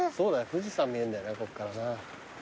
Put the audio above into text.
富士山見えんだよなこっからな。